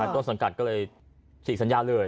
ตอนสังกัดก็เลยถิ่นสัญญาณเลย